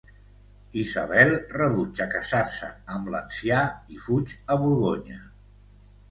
Isabel rebutja casar-se amb l’ancià i fuig a Borgonya.